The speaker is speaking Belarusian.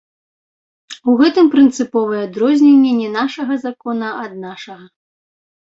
У гэтым прынцыповае адрозненне не нашага закона ад нашага.